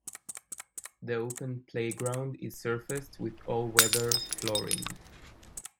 The opened playground is surfaced with all weather flooring.